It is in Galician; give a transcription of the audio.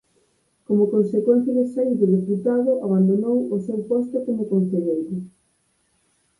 Como consecuencia de saír de deputado abandonou o seu posto como concelleiro.